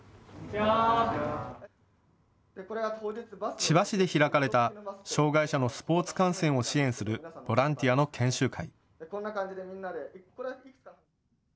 千葉市で開かれた障害者のスポーツ観戦を支援するボランティアの研修会。